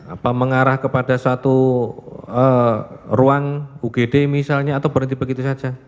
apa mengarah kepada satu ruang ugd misalnya atau berhenti begitu saja